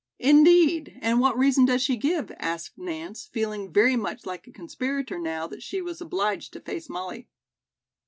"Indeed, and what reason does she give?" asked Nance, feeling very much like a conspirator now that she was obliged to face Molly.